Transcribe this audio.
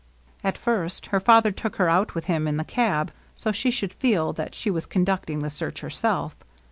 At first, her father took her out with him in the cab, so she should feel that she was conducting the search herself.